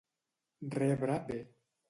Rebre bé.